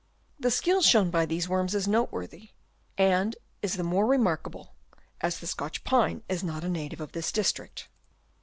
The skill shown by these worms is noteworthy and is the more remarkable, as the Scotch pine is not a native of this district.